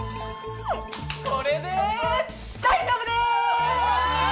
これで大丈夫です！